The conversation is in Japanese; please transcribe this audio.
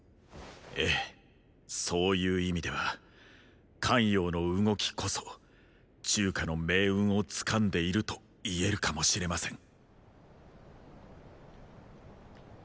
ええそういう意味では咸陽の動きこそ中華の命運をつかんでいると言えるかもしれません。